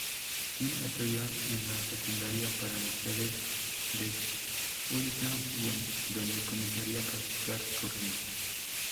Kim estudió en la Secundaria para mujeres de Uiseong-gun, donde comenzaría a practicar curling.